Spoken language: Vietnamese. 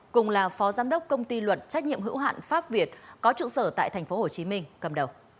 cùng là phó giám đốc công ty luật trách nhiệm hữu hạn pháp việt có trụ sở tại tp hcm cầm đầu